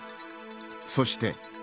そして。